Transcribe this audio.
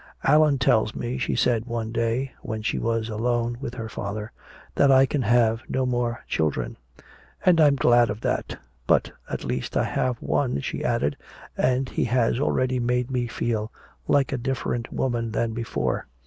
"Allan tells me," she said one day, when she was alone with her father, "that I can have no more children. And I'm glad of that. But at least I have one," she added, "and he has already made me feel like a different woman than before.